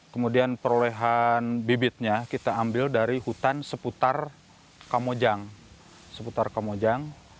kemudian perolehan bibitnya kita ambil dari hutan seputar kamojang